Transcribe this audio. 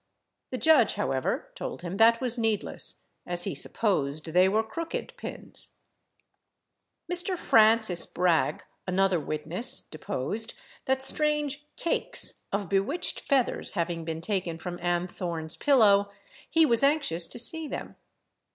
The judge, however, told him that was needless, as he supposed they were crooked pins. Mr. Francis Bragge, another witness, deposed, that strange "cakes" of bewitched feathers having been taken from Ann Thorne's pillow, he was anxious to see them.